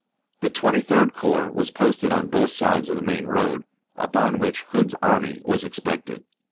The Twenty third Corps was posted on both sides of the main road, upon which Hood's army was expected.